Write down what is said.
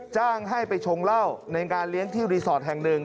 จ้างให้ไปชงเหล้าในงานเลี้ยงที่รีสอร์ทแห่งหนึ่ง